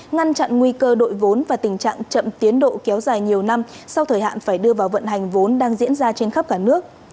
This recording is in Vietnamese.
ngăn chặn nguy cơ đội vốn và tình trạng chậm tiến độ kéo dài nhiều năm sau thời hạn phải đưa vào vận hành vốn đang diễn ra trên khắp cả nước